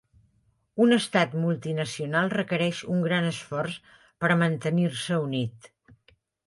Un estat multinacional requereix un gran esforç per a mantenir-se unit.